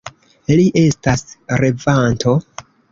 Li estas revanto!